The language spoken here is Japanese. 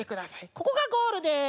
ここがゴールです。